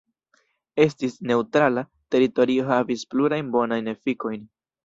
Esti "neŭtrala" teritorio havis plurajn bonajn efikojn.